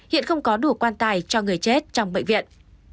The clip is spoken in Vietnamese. hiện không có đủ quan tài cho người chết trong bệnh viện